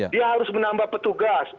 dia harus menambah petugas